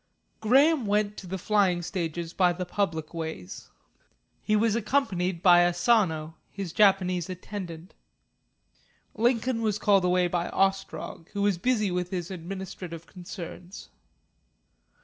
Graham went to the flying stages by the public ways. He was accompanied by Asano, his Japanese attendant. Lincoln was called away by Ostrog, who was busy with his administrative concerns.